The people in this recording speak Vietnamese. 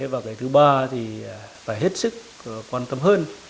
và cái thứ ba thì phải hết sức quan tâm hơn